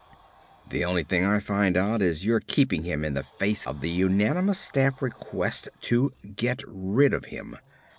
"The only thing I find odd is your keeping him in the face of the unanimous staff request to get rid of him."